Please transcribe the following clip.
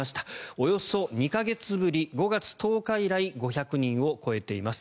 およそ２か月ぶり５月１０日以来５００人を超えています。